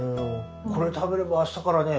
これ食べればあしたからね